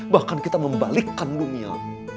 bahkan kita membalikkan dunia